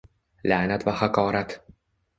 La'nat va haqorat